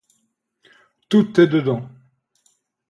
Tout est dedans.